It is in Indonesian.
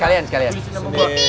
buang air sama semua playing game